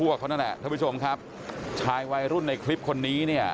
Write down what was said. นั่นแหละท่านผู้ชมครับชายวัยรุ่นในคลิปคนนี้เนี่ย